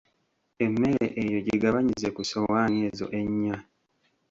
Emmere eyo gigabanyize ku ssowaani ezo ennya.